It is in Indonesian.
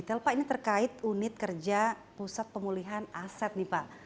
kalau pak ini terkait unit kerja pusat pemulihan aset nih pak